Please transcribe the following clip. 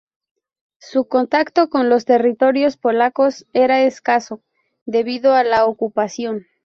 Su contacto con los territorios polacos era escaso, debido a la ocupación.